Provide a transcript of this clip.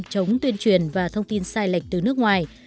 chống tuyên truyền và thông tin sai lệch từ nước ngoài